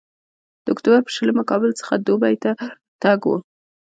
د اکتوبر پر شلمه کابل څخه دوبۍ ته تګ و.